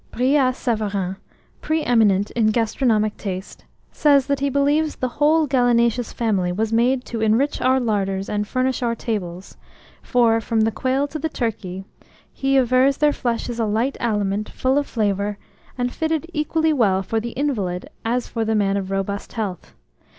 Brillat Savarin, pre eminent in gastronomic taste, says that he believes the whole gallinaceous family was made to enrich our larders and furnish our tables; for, from the quail to the turkey, he avers their flesh is a light aliment, full of flavour, and fitted equally well for the invalid as for the man of robust health.